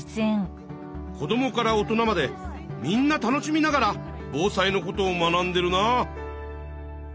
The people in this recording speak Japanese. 子どもから大人までみんな楽しみながら防災のことを学んでるなあ！